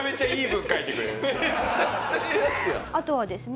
あとはですね